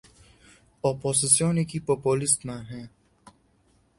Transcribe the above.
ئۆپۆزسیۆنێکی پۆپۆلیستمان هەیە